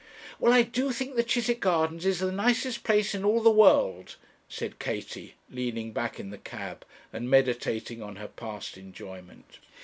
'Well, I do think the Chiswick Gardens is the nicest place in all the world,' said Katie, leaning back in the cab, and meditating on her past enjoyment.